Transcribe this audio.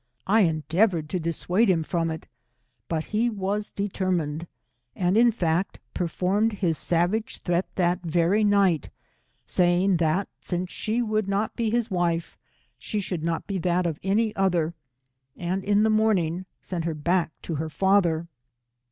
I endeavoured to dissuade him from it, but he was determined, and in fact, performed his savage threat that very night, saying that since she would not be his wife, she should not be that of any other, and in the morning sent her back to her father.